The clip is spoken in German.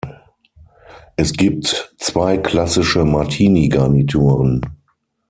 Es gibt zwei klassische Martini-Garnituren.